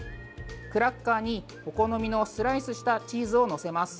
クラッカーに、お好みのスライスしたチーズを載せます。